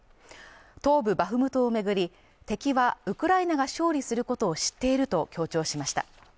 東部バフムトを巡り、敵はウクライナが勝利することを知っていると強調しました。